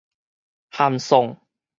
函送